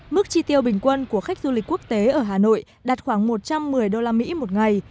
mức chi tiêu bình quân của khách du lịch quốc tế ở hà nội đạt khoảng một trăm một mươi usd một ngày